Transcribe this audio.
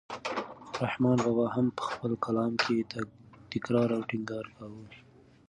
رحمان بابا هم په خپل کلام کې تکرار او ټینګار کاوه.